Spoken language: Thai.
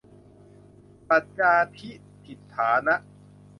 สัจจาธิฏฐานะ